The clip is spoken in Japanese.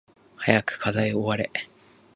早く課題終われ